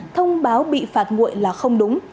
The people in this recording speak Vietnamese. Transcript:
thông báo bị phạt nguội là không đúng